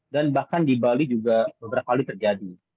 dan bahkan di bali juga beberapa kali terjadi